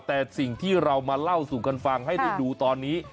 แต่สิ่งที่เรามาเล่าสู่กันฟังให้ได้ดูตอนนี้